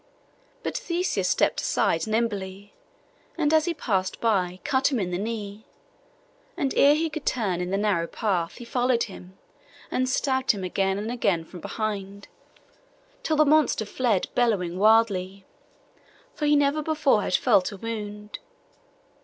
But Theseus stept aside nimbly, and as he passed by, cut him in the knee; and ere he could turn in the narrow path, he followed him, and stabbed him again and again from behind, till the monster fled bellowing wildly; for he never before had felt a wound.